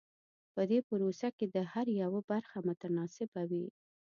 په دې پروسه کې د هر یوه برخه متناسبه وي.